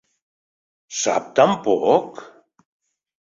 Sap tan poc!